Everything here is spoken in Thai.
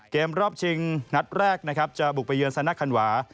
เกมรอบชิงนัดแรกจะบุกไปเยือนซนะไฮนวา